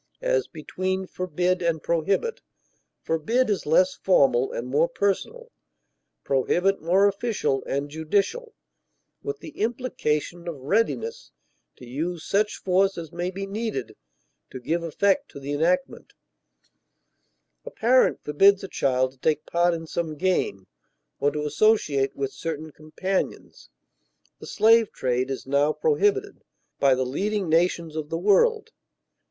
As between forbid and prohibit, forbid is less formal and more personal, prohibit more official and judicial, with the implication of readiness to use such force as may be needed to give effect to the enactment; a parent forbids a child to take part in some game or to associate with certain companions; the slave trade is now prohibited by the leading nations of the world.